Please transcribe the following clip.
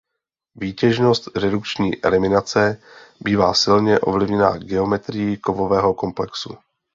Výtěžnost redukční eliminace bývá silně ovlivněna geometrií kovového komplexu.